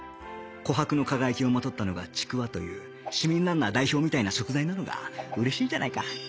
琥珀の輝きをまとったのが竹輪という市民ランナー代表みたいな食材なのが嬉しいじゃないか